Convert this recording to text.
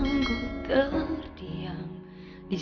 saya akan tetap dipercaya